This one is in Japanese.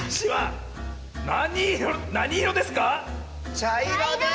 ちゃいろです。